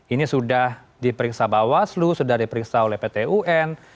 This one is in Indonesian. ini sudah diperiksa bawaslu sudah diperiksa oleh pt un